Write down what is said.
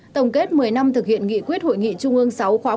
tổng kết một mươi năm thực hiện nghị quyết hội nghị trung ương sáu khóa một mươi ba